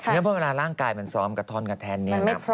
เพราะเวลาร่างกายมันซ้อมกระท่อนกระแท่นนี่นะ